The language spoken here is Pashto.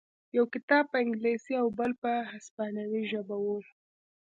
یو کتاب په انګلیسي او بل په هسپانوي ژبه و